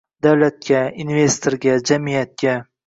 Davlatga, investorga, jamiyatga